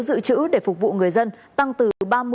giữ chữ để phục vụ người dân tăng từ